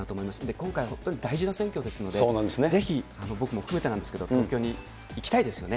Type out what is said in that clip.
今回、本当に大事な選挙ですので、ぜひ僕も含めてなんですけれども、投票に行きたいですよね。